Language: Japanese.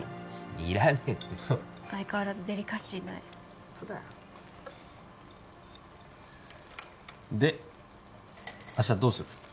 いらねえって相変わらずデリカシーないホントだよで明日どうする？